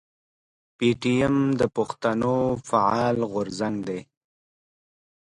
پي ټي ايم د پښتنو فعال غورځنګ دی.